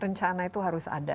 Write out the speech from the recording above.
rencana itu harus ada